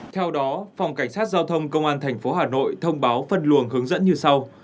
theo đó phòng cảnh sát giao thông công an tp hà nội thông báo phân luồng hướng dẫn như sau